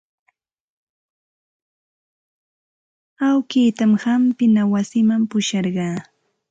Awkiitan hampina wasiman pusharqaa.